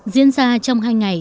diễn ra trong hai ngày